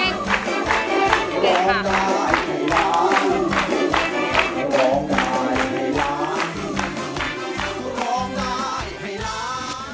เยี่ยมมากเก่ง